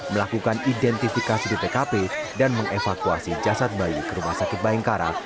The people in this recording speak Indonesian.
melakukan identifikasi di tkp dan mengevakuasi jasad bayi ke rumah sakit bayangkara